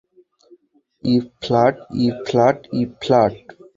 E flat, E flat, E flat!